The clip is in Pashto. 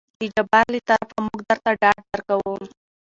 د جبار له طرفه موږ درته ډاډ درکو.